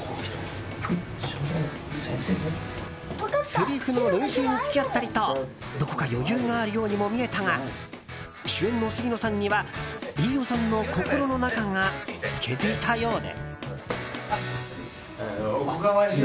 せりふの練習に付き合ったりとどこか余裕があるようにも見えたが主演の杉野さんには飯尾さんの心の中が透けていたようで。